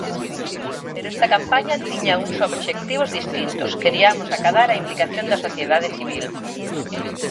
Pero esta campaña tiña uns obxectivos distintos: queriamos acadar a implicación da sociedade civil.